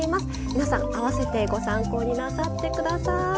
皆さん合わせてご参考になさって下さい。